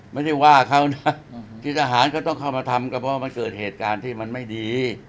ไม่ได้ว่าเขานะที่ทหารก็ต้องเข้ามาทำก็เพราะมันเกิดเหตุการณ์ที่มันไม่ดี